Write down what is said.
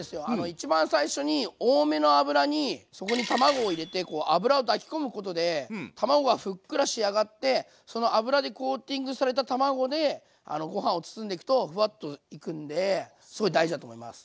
一番最初に多めの油にそこに卵を入れて油を抱き込むことで卵がふっくら仕上がってその油でコーティングされた卵でご飯を包んでいくとフワッといくんですごい大事だと思います。